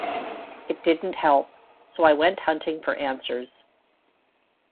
It didn’t help. So I went hunting for answers.